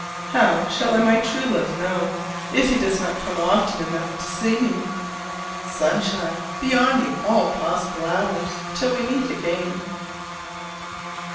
"How shall I my true love know" if he does not come often enough to see me? Sunshine be on you all possible hours till we meet again.